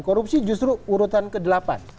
korupsi justru urutan ke delapan